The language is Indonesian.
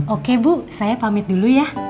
oke bu saya pamit dulu ya